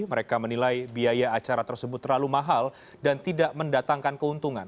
mereka menilai biaya acara tersebut terlalu mahal dan tidak mendatangkan keuntungan